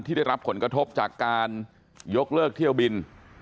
ได้รับผลกระทบจากการยกเลิกเที่ยวบิน